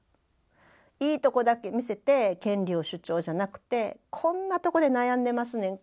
いいとこだけ見せて権利を主張じゃなくてこんなとこで悩んでますねん。